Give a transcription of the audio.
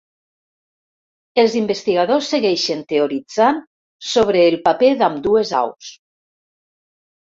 Els investigadors segueixen teoritzant sobre el paper d'ambdues aus.